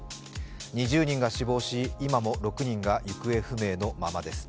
２０人が死亡し今も６人が行方不明のままです。